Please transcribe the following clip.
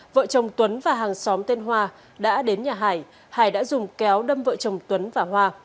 vợ chồng tuấn và hàng xóm tên hoa đã đến nhà hải đã dùng kéo đâm vợ chồng tuấn và hoa